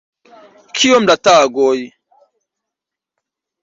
Kiom da tagoj?